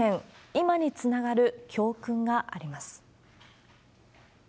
今につながる教訓があります。